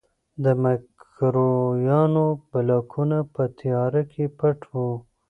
د مکروریانو بلاکونه په تیاره کې پټ وو.